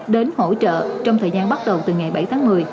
đến hỗ trợ trong thời gian bắt đầu từ ngày bảy tháng một mươi